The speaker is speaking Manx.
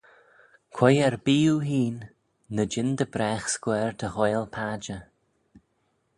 Quoi erbee oohene, ny jean dy bragh scuirr dy ghoaill padjer.